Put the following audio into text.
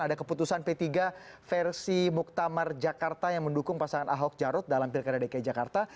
ada keputusan p tiga versi muktamar jakarta yang mendukung pasangan ahok jarot dalam pilkada dki jakarta